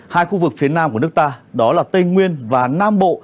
hai khu vực phía nam của nước ta đó là tây nguyên và nam bộ